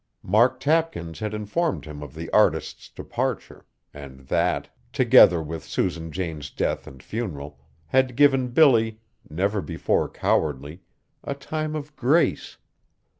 Mark Tapkins had informed him of the artist's departure; and that, together with Susan Jane's death and funeral, had given Billy, never before cowardly, a time of grace.